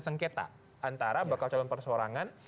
sengketa antara bakal calon persorangan